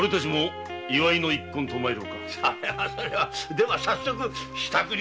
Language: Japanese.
では早速支度を。